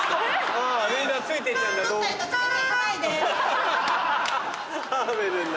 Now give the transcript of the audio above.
みんなついていっちゃうんだ。